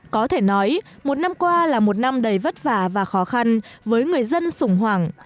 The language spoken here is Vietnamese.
có thể nói một năm qua là một năm đầy vất vả và khó khăn với người dân sùng hoàng